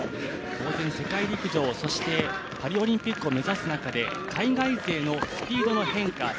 世界陸上、当然パリオリンピックを目指す中で海外勢のスピードの変化